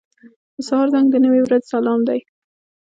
• د سهار زنګ د نوې ورځې سلام دی.